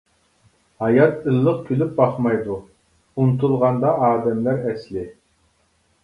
ھايات ئىللىق كۈلۈپ باقمايدۇ، ئۇنتۇلغاندا ئادەملەر ئەسلى.